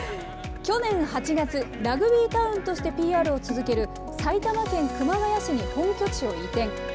去年８月、ラグビータウンとしてＰＲを続ける埼玉県熊谷市に本拠地を移転。